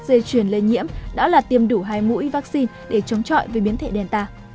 dây chuyển lây nhiễm đã là tiêm đủ hai mũi vaccine để chống chọi với biến thể delta